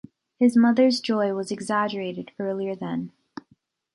His mother’s joy was exaggerated earlier then.